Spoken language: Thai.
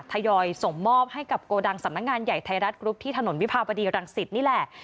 ทยอยส่งมอบให้กับโกดังสำนักงานใหญ่ไทยรัฐกรุ๊ปที่ถนนวิภาบดีรังสิตนี่แหละ